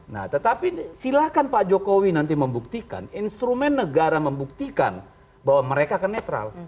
nah tetapi silahkan pak jokowi nanti membuktikan instrumen negara membuktikan bahwa mereka akan netral